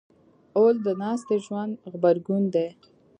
غول د ناستې ژوند غبرګون دی.